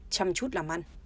chăm chút làm ăn